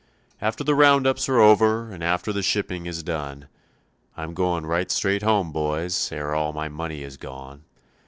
"After the round ups are over and after the shipping is done, I am going right straight home, boys, ere all my money is gone.